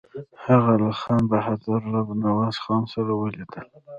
هغه له خان بهادر رب نواز خان سره ولیدل.